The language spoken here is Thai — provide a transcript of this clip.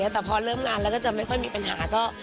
แต่พอเริ่มงานแล้วก็จะไม่ค่อยมีปัญหาก็